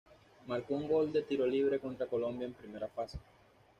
Marcó un gol de tiro libre contra Colombia en primera fase.